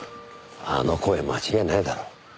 あの声間違いないだろ。